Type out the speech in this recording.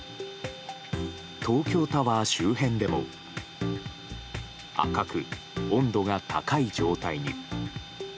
東京タワー周辺でも赤く温度が高い状態に。